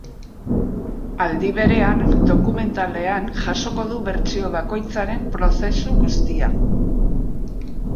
Aldi berean, dokumentalean jasoko du bertsio bakoitzaren prozesu guztia.